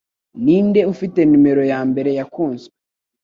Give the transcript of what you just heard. Ninde ufite numero ya mbere yakunzwe